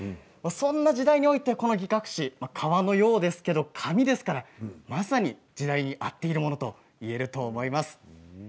そんな時代においてこの擬革紙は革のようですが紙ですからまさに時代に合っていると思います。